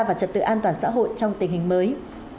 và trật tự an toàn xã hội trong tình hình mới